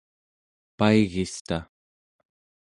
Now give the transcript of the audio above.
paigista